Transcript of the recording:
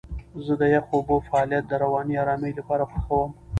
زه د یخو اوبو فعالیت د رواني آرامۍ لپاره خوښوم.